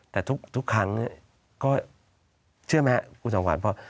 แต่ทุกครั้งก็เชื่อไหมคะครูสวรรค์